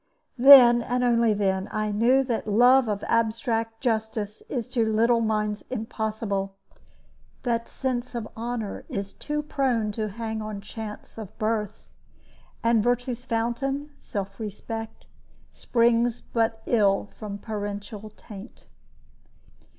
Then, and only then, I knew that love of abstract justice is to little minds impossible, that sense of honor is too prone to hang on chance of birth, and virtue's fountain, self respect, springs but ill from parental taint.